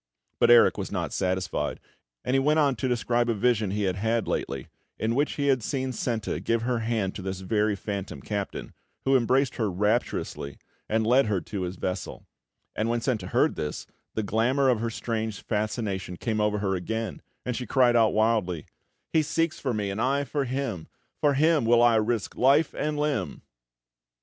But Erik was not satisfied, and he went on to describe a vision he had lately had, in which he had seen Senta give her hand to this very phantom captain, who embraced her rapturously, and led her to his vessel; and when Senta heard this, the glamour of her strange fascination came over her again, and she cried out wildly: "He seeks for me, and I for him! For him will I risk life and limb!"